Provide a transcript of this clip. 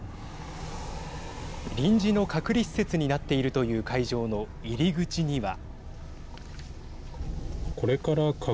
臨時の隔離施設になっているという会場の入り口には。